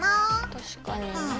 確かに。